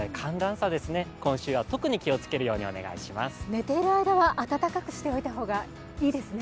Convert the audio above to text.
寝ている間は暖かくしておいた方がいいですね。